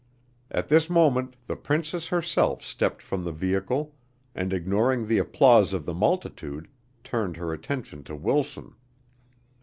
At this moment the princess herself stepped from the vehicle and, ignoring the applause of the multitude, turned her attention to Wilson.